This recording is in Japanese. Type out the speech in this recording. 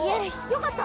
よかった！